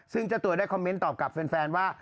ซึ่งเจ้าตัวได้คอมเมนต์ตอบกับแฟนว่า